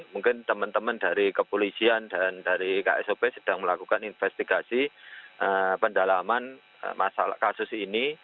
mungkin teman teman dari kepolisian dan dari ksop sedang melakukan investigasi pendalaman masalah kasus ini